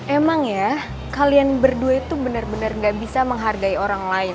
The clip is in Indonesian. emang ya kalian berdua tuh bener bener ga bisa menghargai orang lain